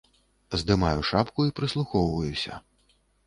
Здымаю шапку і прыслухоўваюся.